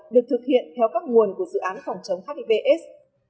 được thực hiện theo các nguồn của dự án phòng chống hiv aids